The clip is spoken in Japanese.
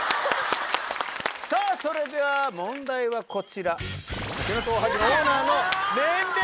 さぁそれでは問題はこちら。